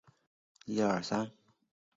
山蓼为蓼科山蓼属下的一个种。